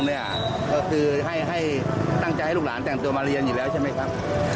ก็คือให้ตั้งใจให้ลูกหลานแต่งตัวมาเรียนอยู่แล้วใช่ไหมครับ